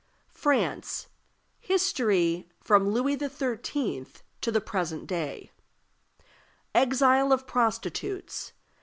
FRANCE. HISTORY FROM LOUIS XIII. TO THE PRESENT DAY. Exile of Prostitutes.